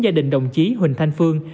gia đình đồng chí huỳnh thanh phương